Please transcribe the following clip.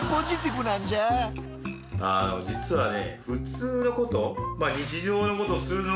あの実はね